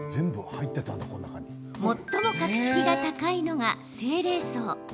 最も格式が高いのが正礼装。